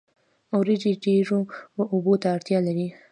وریجې ډیرو اوبو ته اړتیا لري